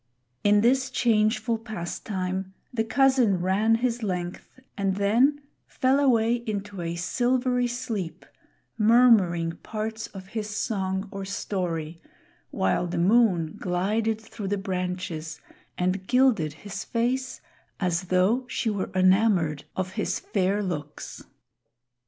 In this changeful pastime the cousin ran his length and then fell away into a silvery sleep, murmuring parts of his song or story, while the moon glided through the branches and gilded his face as though she were enamored of his fair looks.